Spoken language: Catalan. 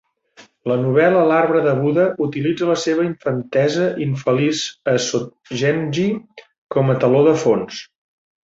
La novel·la "L'arbre de Buda" utilitza la seva infantesa infeliç a Sogenji com a teló de fons.